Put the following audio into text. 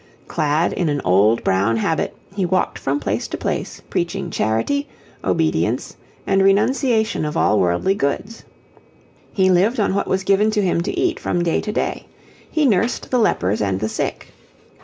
Clad in an old brown habit, he walked from place to place preaching charity, obedience, and renunciation of all worldly goods. He lived on what was given to him to eat from day to day; he nursed the lepers and the sick.